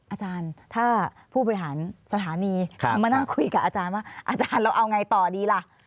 อาจารย์ถ้าผู้บริหารสถานีมานั่งคุยกับอาจารย์ว่าอาจารย์เราเอาไงต่อดีล่ะ